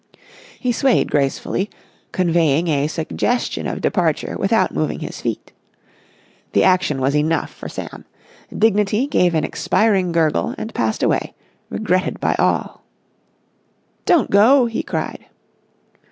He swayed gracefully, conveying a suggestion of departure without moving his feet. The action was enough for Sam. Dignity gave an expiring gurgle, and passed away, regretted by all. "Don't go!" he cried.